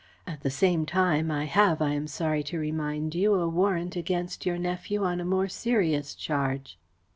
At the same time I have, I am sorry to remind you, a warrant against your nephew on a more serious charge."